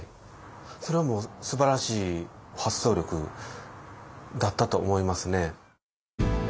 それはもうすばらしい発想力だったと思いますね。